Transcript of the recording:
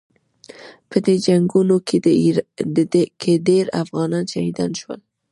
په دې جنګونو کې ډېر افغانان شهیدان شول.